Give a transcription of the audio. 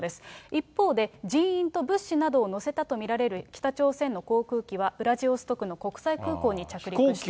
一方で、人員と物資などを載せたと見られる北朝鮮の航空機は、ウラジオストクの国際空港に着陸しています。